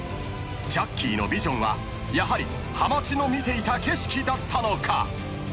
［ジャッキーのビジョンはやはりはまちの見ていた景色だったのか？］